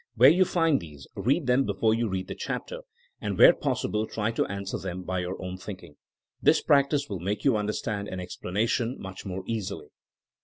Where you find these, read them before you read the chapter, and where possible try to answer them by your own thinking. This practice will make you understand an explanation much more easily.